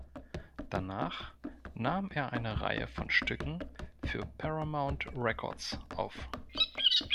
Danach nahm er eine Reihe von Stücken für Paramount Records auf.